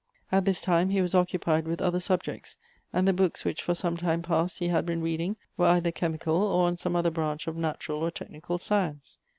At this time he was occupied with other sub jects, and the books which, for some time past, he had been reading, were either chemical, or on some other branch of natural or technical science.